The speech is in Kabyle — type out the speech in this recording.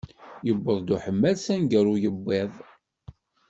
Yewweḍ uḥemmal sanga ur yewwiḍ.